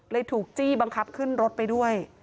ถูกจี้บังคับขึ้นรถไปด้วย